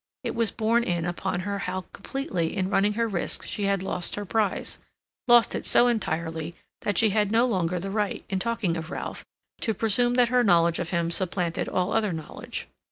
It was borne in upon her how completely in running her risk she had lost her prize, lost it so entirely that she had no longer the right, in talking of Ralph, to presume that her knowledge of him supplanted all other knowledge.